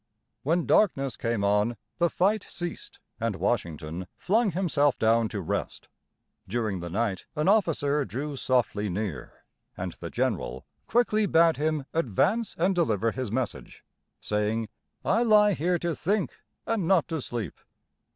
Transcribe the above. When darkness came on, the fight ceased, and Washington flung himself down to rest. During the night an officer drew softly near, and the general quickly bade him advance and deliver his message, saying: "I lie here to think, and not to sleep."